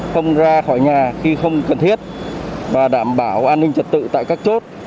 không ra khỏi nhà khi không cần thiết và đảm bảo an ninh trật tự tại các chốt